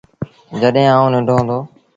جڏهيݩ آئوٚݩ ننڍو هُݩدو۔